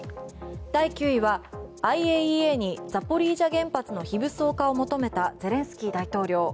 第９位はＩＡＥＡにザポリージャ原発の非武装化を求めたゼレンスキー大統領。